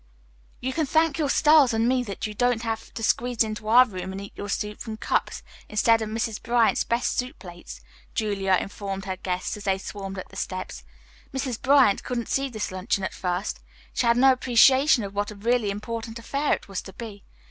"You can thank your stars and me that you don't have to squeeze into our room and eat your soup from cups instead of Mrs. Bryant's best soup plates," Julia informed her guests as they swarmed up the steps. "Mrs. Bryant couldn't see this luncheon at first. She had no appreciation of what a really important affair it was to be.